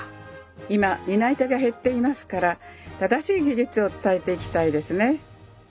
今担い手が減っていますから正しい技術を伝えていきたいですね。